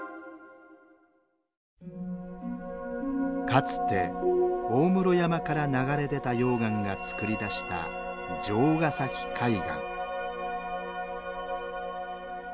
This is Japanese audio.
かつて大室山から流れ出た溶岩がつくり出した城ケ崎海岸。